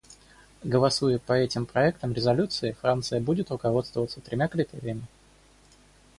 Голосуя по этим проектам резолюций, Франция будет руководствоваться тремя критериями.